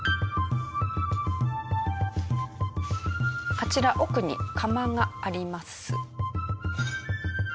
あちら奥に窯があります。